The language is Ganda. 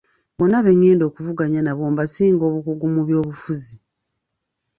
Bonna be ngenda okuvuganya nabo mbasinga obukugu mu by'obufuzi.